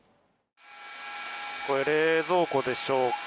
これ、冷蔵庫でしょうか。